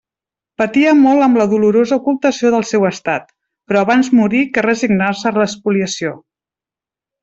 Patia molt amb la dolorosa ocultació del seu estat; però abans morir que resignar-se a l'espoliació.